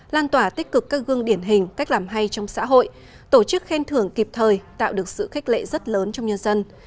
lan tỏa tích cực các gương điển hình cách làm hay trong xã hội tổ chức khen thưởng kịp thời tạo được sự khách lệ rất lớn trong nhân dân